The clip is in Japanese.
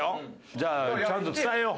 じゃあちゃんと伝えよう。